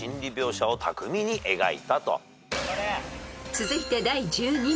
［続いて第１２問］